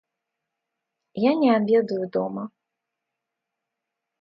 Я не обедаю дома.